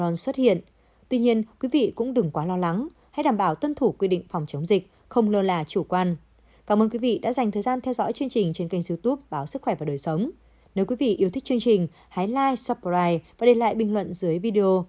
nếu quý vị yêu thích chương trình hãy like subscribe và để lại bình luận dưới video